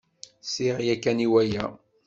Sliɣ ya kan i waya.